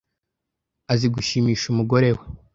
Azi gushimisha umugore we.